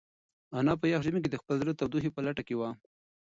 انا په یخ ژمي کې د خپل زړه د تودوخې په لټه کې وه.